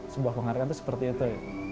sebuah penghargaan itu seperti itu